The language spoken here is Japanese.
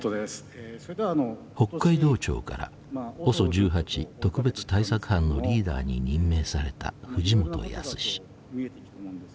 北海道庁からＯＳＯ１８特別対策班のリーダーに任命された藤本靖。